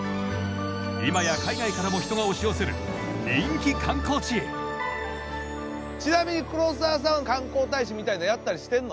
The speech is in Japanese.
今や海外からも人が押し寄せる人気観光地ちなみに黒沢さん観光大使みたいなのやったりしてんの？